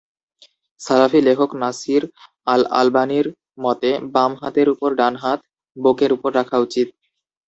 সালাফি লেখক নাসির আল-আলবানীর মতে, বাম হাতের উপর ডান হাত বুকের উপর রাখা উচিত।